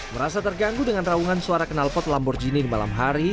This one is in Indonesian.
merasa terganggu dengan raungan suara kenalpot lamborghini di malam hari